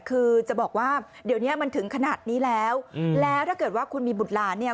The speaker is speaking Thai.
คือจะบอกว่าเดี๋ยวเนี้ยมันถึงขนาดนี้แล้วแล้วถ้าเกิดว่าคุณมีบุตรหลานเนี่ย